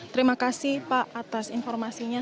terima kasih pak atas informasinya